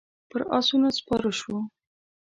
پر آسونو سپاره شوو.